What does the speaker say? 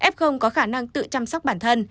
f có khả năng tự chăm sóc bản thân